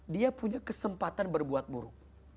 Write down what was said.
dia punya kesempatan berbuat buruk